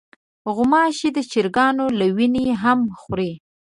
غوماشې د چرګانو له وینې هم خوري.